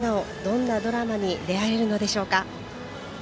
涙、笑顔どんなドラマに出会えるのでしょうか。